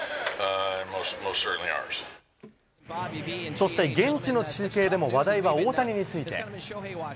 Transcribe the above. そして現地の中継でも話題は大谷について。